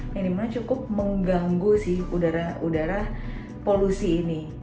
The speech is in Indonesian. yang dimana cukup mengganggu sih udara polusi ini